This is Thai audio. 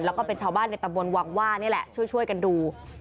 แล้วก็เป็นชาวบ้านในตำบลวังว่านี่แหละช่วยกันดู